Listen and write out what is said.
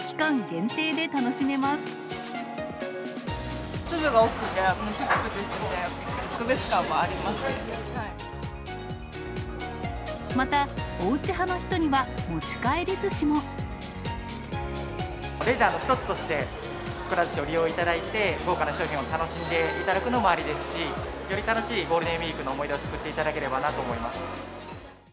限粒が大きくて、ぷちぷちしてまた、おうち派の人には、レジャーの一つとして、くら寿司を利用いただいて、豪華な商品を楽しんでいただくのもありですし、より楽しいゴールデンウィークの思い出を作っていただければなと思います。